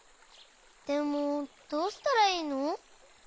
でもどうしたらいいの？